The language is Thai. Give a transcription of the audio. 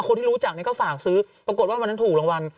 คนที่รู้จักเนี่ยก็ฝากซื้อปรากฏว่าวันนั้นถูกรางวัล